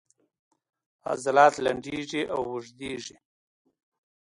عضلات لنډیږي او اوږدیږي